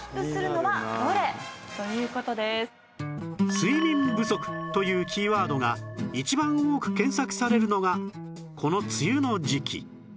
「睡眠不足」というキーワードが一番多く検索されるのがこの梅雨の時期